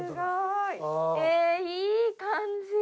えいい感じ。